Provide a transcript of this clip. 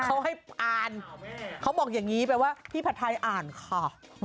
เขาให้อ่านเขาบอกอย่างนี้แปลว่าพี่ผัดไทยอ่านค่ะ